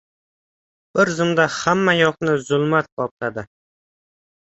Bir zumda hammayoqni zulmat qopladi.